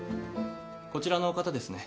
こちらの方ですね。